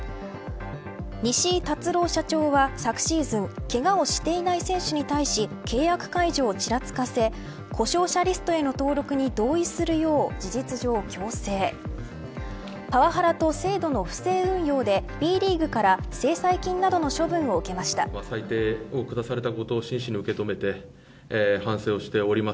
西井辰朗社長は昨シーズン、けがをしていない選手に対し契約解除をちらつかせ故障者リストへの登録に同意するよう事実上強制パワハラと制度の不正運用でＢリーグから制裁金などの処分を受けました。